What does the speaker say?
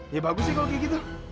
ya bagus sih kalau kayak gitu